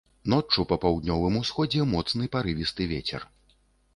Ноччу па паўднёвым усходзе моцны парывісты вецер.